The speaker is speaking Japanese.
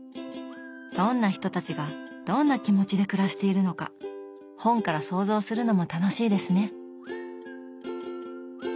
どんな人たちがどんな気持ちで暮らしているのか本から想像するのも楽しいですね。